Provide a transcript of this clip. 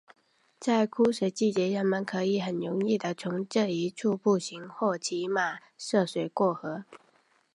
在枯水季节人们可以很容易的从这一处步行或骑马涉水过河。